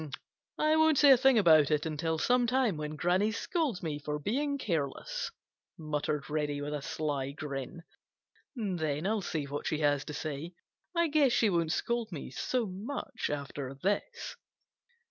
"I won't say a thing about it until some time when Granny scolds me for being careless," muttered Reddy, with a sly grin. "Then I'll see what she has to say. I guess she won't scold me so much after this."